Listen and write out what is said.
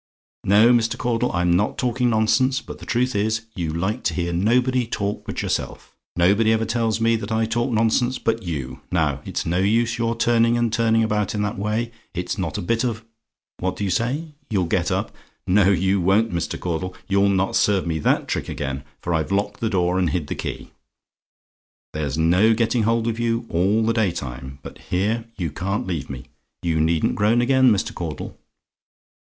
No, Mr. Caudle, I'm not talking nonsense; but the truth is, you like to hear nobody talk but yourself. Nobody ever tells me that I talk nonsense but you. Now, it's no use your turning and turning about in that way, it's not a bit of what do you say? "YOU'LL GET UP? "No you won't, Mr. Caudle; you'll not serve me that trick again; for I've locked the door and hid the key. There's no getting hold of you all the day time but here you can't leave me. You needn't groan again, Mr. Caudle.